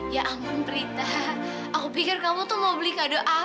ya ampun prita aku pikir kamu tuh mau beli kado a